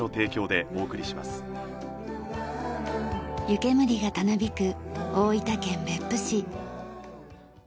湯煙がたなびく大分県別府市。